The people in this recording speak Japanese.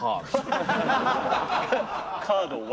カードを。